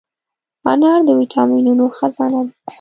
انار د ویټامینونو خزانه ده.